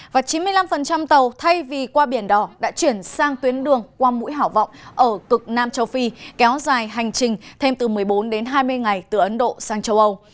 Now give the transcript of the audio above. và chín mươi năm tàu thay vì qua biển đỏ đã chuyển sang tuyến đường qua mũi hảo vọng ở cực nam châu phi kéo dài hành trình thêm từ một mươi bốn đến hai mươi ngày từ ấn độ sang châu âu